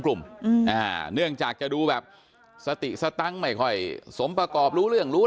กลุ่มอ่าเนื่องจากจะดูแบบสติสตังค์ไม่ค่อยสมประกอบรู้เรื่องรู้